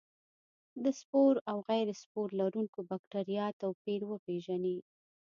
د سپور او غیر سپور لرونکو بکټریا توپیر وپیژني.